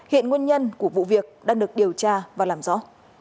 hiện nguyên nhân của vụ việc đang được điều tra và làm rõ